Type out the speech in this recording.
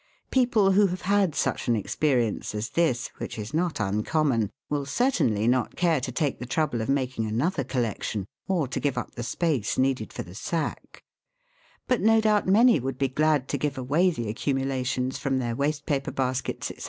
People who have had such an experience as this, which is not uncommon, will certainly not care to take the trouble of making another collection, or to give up the space needed for the sack ; but no doubt many would be glad to give away the accumulations from their waste paper baskets, &c.